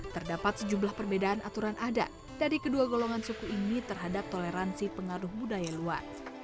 terdapat sejumlah perbedaan aturan adat dari kedua golongan suku ini terhadap toleransi pengaruh budaya luar